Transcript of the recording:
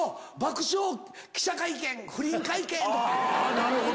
なるほど！